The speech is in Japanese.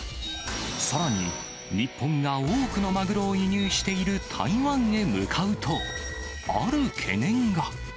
さらに、日本が多くのマグロを輸入している台湾へ向かうと、ある懸念が。